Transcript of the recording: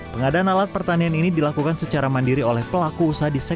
pengadaan alat pertanian ini dilakukan secara mandiri oleh pelaku usaha di sektor